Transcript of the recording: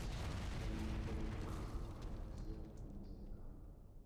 Se alimenta de lombrices, crustáceos e insectos.